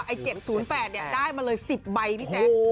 ไอ้๗๐๘ได้มาเลย๑๐ใบพี่แจ๊ก